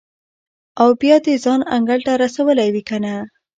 او بیا دې ځان انګړ ته رسولی وي کېنه.